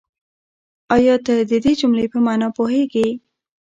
آيا ته د دې جملې په مانا پوهېږې؟